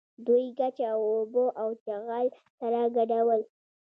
دوی ګچ او اوبه او چغل سره ګډول.